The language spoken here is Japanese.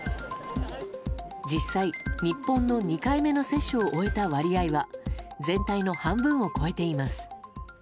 実際、日本の２回目の接種を終えた割合は全体の半分を超えています。